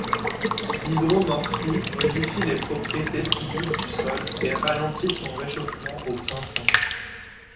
L'hydromorphie modifie les propriétés physiques du sol et ralentit son réchauffement au printemps.